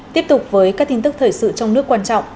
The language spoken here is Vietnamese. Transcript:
tiếp tục với các tin tức thời sự trong nước quan trọng